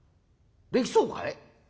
できそうかい？」。